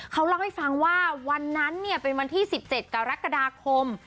เขาเล่าให้ฟังว่าวันนั้นเป็นวันที่๑๗กรกฎาคม